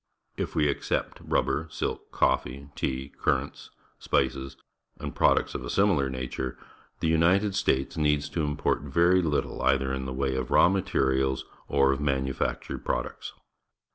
If we except nibber, silk, coffee, tea, currants, spices, and products of a similar nature, the L^nited States needs to import verj' little either in the way of raw material or of manufactured products.